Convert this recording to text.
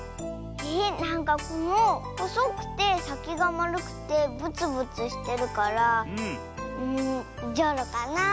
えなんかこのほそくてさきがまるくてぶつぶつしてるからじょうろかなって。